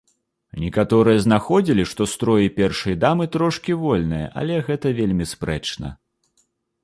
Некаторыя знаходзілі, што строі першай дамы трошкі вольныя, але гэта вельмі спрэчна.